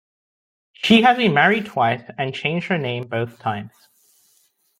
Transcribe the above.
She has been married twice and changed her name both times.